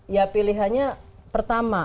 ya pilihannya pertama